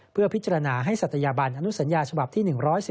เพื่อพิจารณาให้ศัตยาบันอนุสัญญาฉบับที่๑๑๒